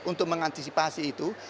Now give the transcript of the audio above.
untuk mengantisipasi itu